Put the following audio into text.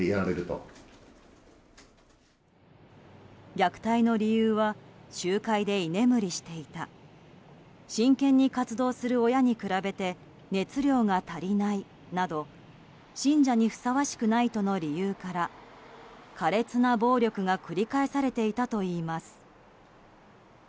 虐待の理由は集会で居眠りしていた真剣に活動する親に比べて熱量が足りないなど信者にふさわしくないとの理由から苛烈な暴力が繰り返されていたといいます。